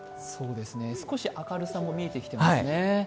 少し明るさも見えてきていますね。